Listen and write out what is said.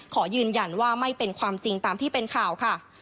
ขอยืนยันว่าไม่เป็นความจริงตามที่เป็นข่าวค่ะ